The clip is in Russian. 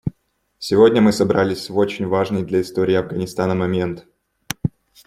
Сегодня мы собрались в очень важный для истории Афганистана момент.